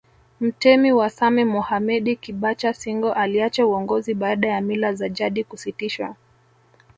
Mtemi wa Same Mohammedi Kibacha Singo aliacha uongozi baada ya mila za jadi kusitishwa